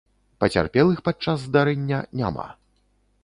Пацярпелых падчас здарэння няма.